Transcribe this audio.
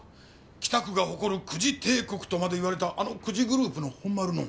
北区が誇る久慈帝国とまで言われたあの久慈グループの本丸の。